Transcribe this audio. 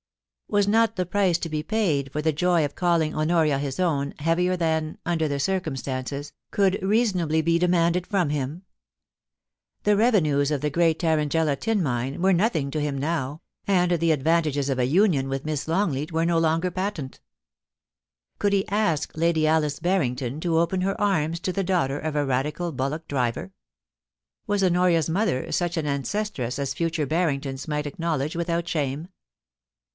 Was not the price to be paid for the joy of calling Honoria his own, heavier than, under the circumstances, could reason ably be demanded from him ? The revenues of the great Tarrangella tin mine were nothing to him now, and the advantages of a union with Miss Longleat were no longer patent Could he ask Lady Alice Barrington to open her arms to the daughter of a Radical bullock driver ? Was Honoria's mother such an ancestress as future Barringtons might acknowledge without shame